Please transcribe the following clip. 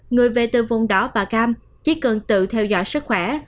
người về từ vùng đỏ và cam chỉ cần tự theo dõi sức khỏe